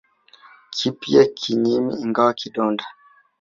Kipya kinyemi ingawa kidonda